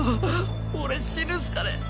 俺死ぬんすかね？